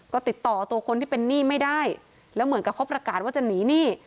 ก็ติดต่อตัวคนที่เป็นหนี้ไม่ได้แล้วเหมือนกับเขาประกาศว่าจะหนีหนี้